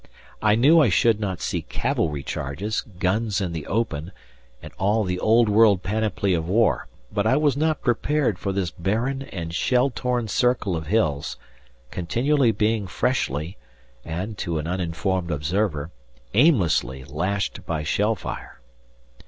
I knew I should not see cavalry charges, guns in the open, and all the old world panoply of war, but I was not prepared for this barren and shell torn circle of hills, continually being freshly, and, to an uninformed observer, aimlessly lashed by shell fire.